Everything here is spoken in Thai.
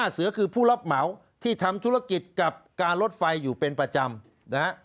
เสือคือผู้รับเหมาที่ทำธุรกิจกับการรถไฟอยู่เป็นประจำนะฮะ